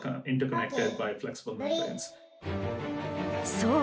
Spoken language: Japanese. そう！